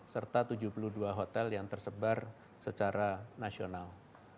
serta tujuh puluh dua hotel yang tersebar secara nasional